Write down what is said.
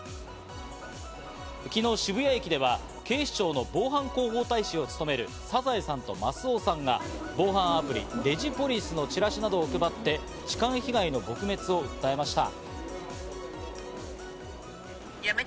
昨日、渋谷駅では警視庁の防犯広報大使を務めるサザエさんとマスオさんが防犯アプリＤｉｇｉＰｏｌｉｃｅのチラシなどを配って痴漢被害の撲滅を訴えました。